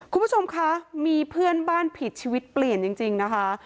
คุณผู้ชมคะมีเพื่อนบ้านผิดชีวิตเปลี่ยนจริงนะคะ